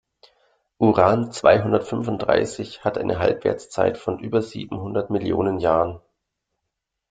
Uran-zweihundertfünfunddreißig hat eine Halbwertszeit von über siebenhundert Millionen Jahren.